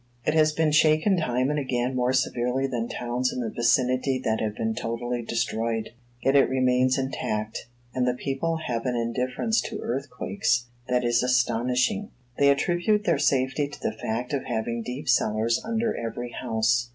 It has been shaken time and again more severely than towns in the vicinity that have been totally destroyed. Yet it remains intact, and the people have an indifference to earthquakes that is astonishing. They attribute their safety to the fact of having deep cellars under every house.